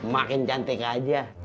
makin cantik aja